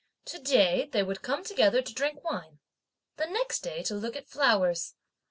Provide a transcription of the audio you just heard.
To day, they would come together to drink wine; the next day to look at flowers.